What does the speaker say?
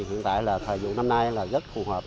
hiện tại thời vụ năm nay rất phù hợp